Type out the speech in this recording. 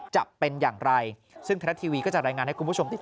จะเป็นอย่างไรซึ่งทรัฐทีวีก็จะรายงานให้คุณผู้ชมได้ชม